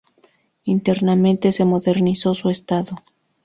Internamente se modernizó su Estado.